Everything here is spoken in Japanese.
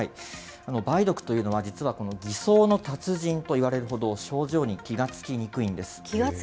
梅毒というのは、実はこの偽装の達人といわれるほど、症状に気がつきにくい？